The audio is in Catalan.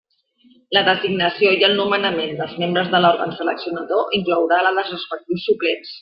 La designació i el nomenament dels membres de l'òrgan seleccionador inclourà la dels respectius suplents.